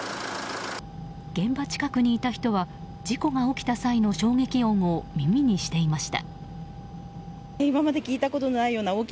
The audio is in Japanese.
現場近くにいた人は事故が起きた際の衝撃音を耳にしていました。